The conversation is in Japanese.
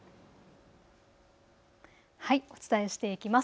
お伝えしていきます。